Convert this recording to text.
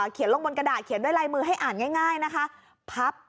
เขียนลงบนกระดาษเขียนด้วยลายมือให้อ่านง่ายนะคะพับ